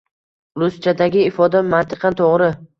Ruschadagi ifoda mantiqan toʻgʻri